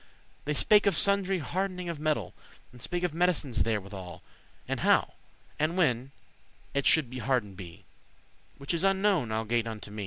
They spake of sundry hard'ning of metal, And spake of medicines therewithal, And how, and when, it shoulde harden'd be, Which is unknowen algate* unto me.